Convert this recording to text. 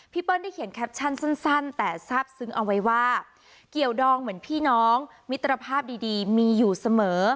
เปิ้ลได้เขียนแคปชั่นสั้นแต่ทราบซึ้งเอาไว้ว่าเกี่ยวดองเหมือนพี่น้องมิตรภาพดีมีอยู่เสมอ